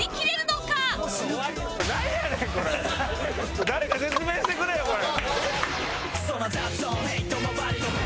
果たして誰か説明してくれよこれ！